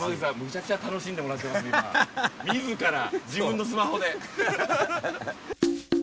みずから自分のスマホで。